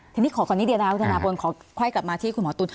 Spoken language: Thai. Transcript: ทีนี้ขอก่อนนิดเดียวนะครับคุณธนาพลขอค่อยกลับมาที่คุณหมอตุ๋น